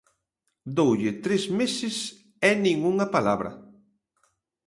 Doulle tres meses, e nin unha palabra.